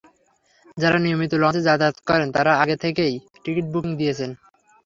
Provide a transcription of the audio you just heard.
যাঁরা নিয়মিত লঞ্চে যাতায়াত করেন, তাঁরা আগে থেকেই টিকিট বুকিং দিয়েছেন।